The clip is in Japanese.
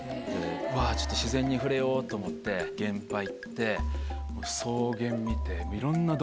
「うわぁちょっと自然に触れよう」と思って現場行って草原見て。